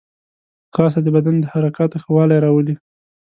ځغاسته د بدن د حرکاتو ښه والی راولي